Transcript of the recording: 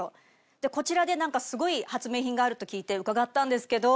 でこちらですごい発明品があると聞いて伺ったんですけど。